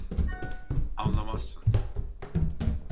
Anlamazsın.